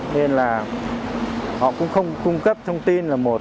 nên là họ cũng không cung cấp thông tin là một